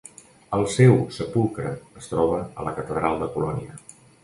El seu sepulcre es troba a la catedral de Colònia.